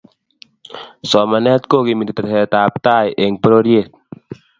Somanet kokimiti tesetab tai eng' pororiet